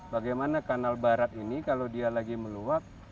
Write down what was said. bagaimana kanal barat ini kalau dia lagi meluap